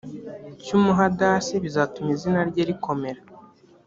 cy umuhadasi bizatuma izina rye rikomera